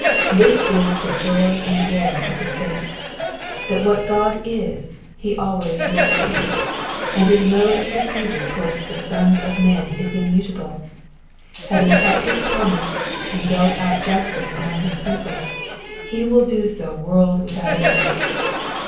This is the joy and glory of the saints, that what God is he always will be, and his mode of procedure towards the sons of men is immutable : having kept his promise, and dealt out justice among his people, he will do so world without end.